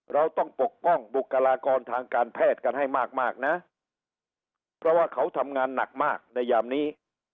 เราต้องปกป้องบุคลากรทางการแพทย์กันให้มากมากนะเพราะว่าเขาทำงานหนักมากในยามนี้